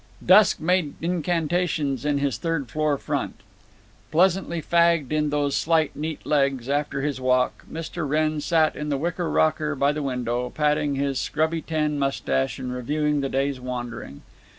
Dusk made incantations in his third floor front. Pleasantly fagged in those slight neat legs, after his walk, Mr. Wrenn sat in the wicker rocker by the window, patting his scrubby tan mustache and reviewing the day's wandering.